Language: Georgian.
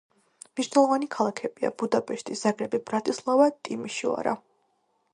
მნიშვნელოვანი ქალაქებია ბუდაპეშტი, ზაგრები, ბრატისლავა, ტიმიშოარა.